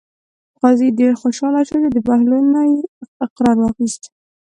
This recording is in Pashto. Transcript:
قاضي ډېر خوشحاله شو چې د بهلول نه یې اقرار واخیست.